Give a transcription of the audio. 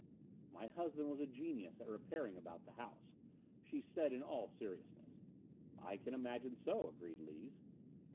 "My husband was a genius at repairing about the house," she said, in all seriousness. "I can imagine so," agreed Lees.